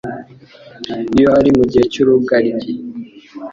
iyo ari mu gihe cy'urugaryi.